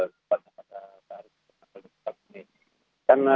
laporan sehari sebelum korban meninggal